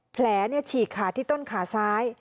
ฉีกขาดที่ต้นขาซ้าย